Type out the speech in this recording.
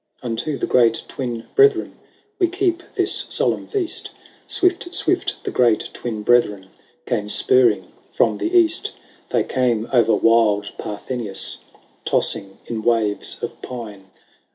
II. Unto the Great Twin Brethren We keep this solemn feast. Swift, swift, the Great Twin Brethren Came spurring from the east. They came o'er wild Parthenius Tossing in waves of pine.